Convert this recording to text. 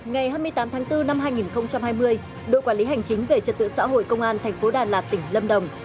ngày hai mươi tám tháng bốn năm hai nghìn hai mươi đội quản lý hành chính về trật tựa xã hội công an tp đà lạt tỉnh lâm đồng